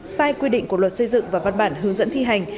sai quy định của luật xây dựng và văn bản hướng dẫn thi hành